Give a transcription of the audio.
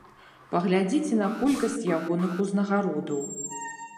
Паглядзіце на колькасць ягоных узнагародаў.